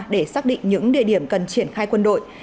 để xác định những địa điểm cần triển khai quân đội